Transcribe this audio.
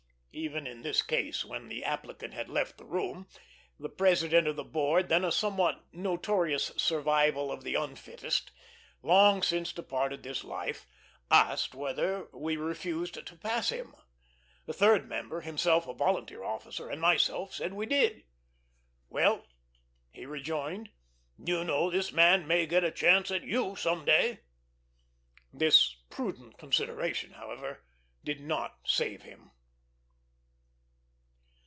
Even in this case, when the applicant had left the room, the president of the board, then a somewhat notorious survival of the unfittest, long since departed this life, asked whether we refused to pass him. The third member, himself a volunteer officer, and myself, said we did. "Well," he rejoined, "you know this man may get a chance at you some day." This prudent consideration, however, did not save him.